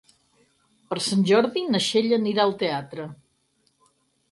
Per Sant Jordi na Txell anirà al teatre.